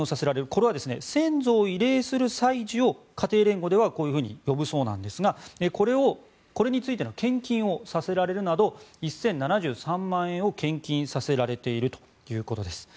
これは先祖を慰霊する祭事を家庭連合ではこういうふうに呼ぶそうなんですがこれについての献金をさせられるなど１０７３万円を献金させられているということです。